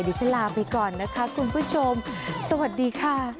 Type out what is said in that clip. ดิฉันลาไปก่อนนะคะคุณผู้ชมสวัสดีค่ะ